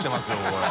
これ。